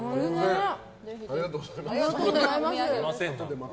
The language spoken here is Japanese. ありがとうございます。